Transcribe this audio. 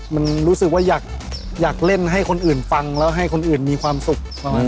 มันรู้สึกว่าอยากเล่นให้คนอื่นฟังแล้วให้คนอื่นมีความสุข